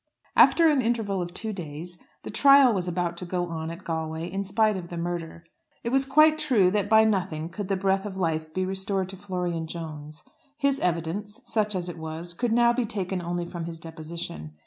After an interval of two days the trial was about to go on at Galway in spite of the murder. It was quite true that by nothing could the breath of life be restored to Florian Jones. His evidence, such as it was, could now be taken only from his deposition.